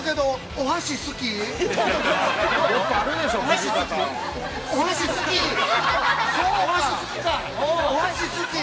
◆お箸好きか。